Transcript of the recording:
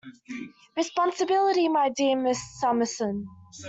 Responsibility, my dear Miss Summerson?